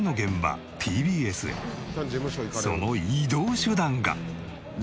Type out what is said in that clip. その移動手段が。